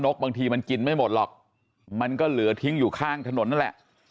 บางทีมันกินไม่หมดหรอกมันก็เหลือทิ้งอยู่ข้างถนนนั่นแหละ